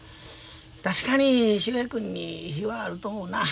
確かに秀平君に非はあると思うな。